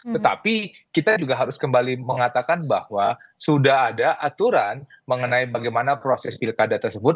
tetapi kita juga harus kembali mengatakan bahwa sudah ada aturan mengenai bagaimana proses pilkada tersebut